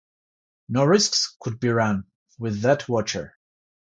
No risks could be run with that watcher.